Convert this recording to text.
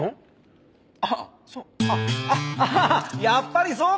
ああやっぱりそうか！